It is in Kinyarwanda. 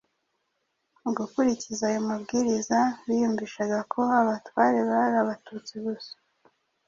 mu gukurikiza ayo mabwiriza biyumvisha ko abatware bari Abatutsi gusa